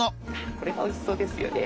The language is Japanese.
これがおいしそうですよね。